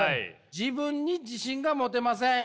「自分に自信が持てません。